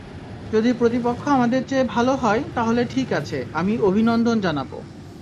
যদি প্রতিপক্ষ আমাদের চেয়ে ভালো হয়, তাহলে ঠিক আছে, আমি অভিনন্দন জানাব।